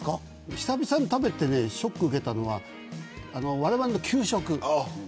久々に食べてショックを受けたのはわれわれの給食。